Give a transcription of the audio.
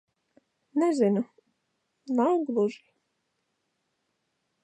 Nezinu. Nav gluži...